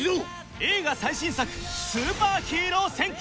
映画最新作『スーパーヒーロー戦記』